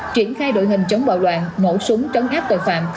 triển khai đội hình chống bạo loạn mẫu súng chống áp tội phạm